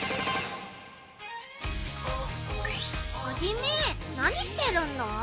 ハジメ何してるんだ？